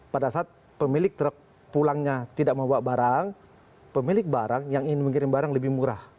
pada saat pemilik truk pulangnya tidak membawa barang pemilik barang yang ingin mengirim barang lebih murah